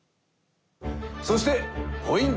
そしてポイント